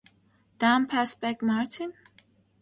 Dan Pass Back Martin